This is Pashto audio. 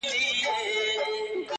مړونه مري، نومونه ئې پاتېږي.